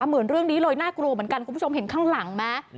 เหมือนเรื่องนี้เลยน่ากลัวเหมือนกันคุณผู้ชมเห็นข้างหลังไหม